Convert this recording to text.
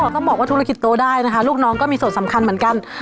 ต้องบอกว่าธุรกิจโตได้นะคะลูกน้องก็มีส่วนสำคัญเหมือนกัน